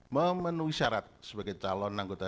memenuhi syarat sebagai calon anggota